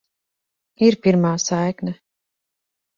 Ir pirmā saikne.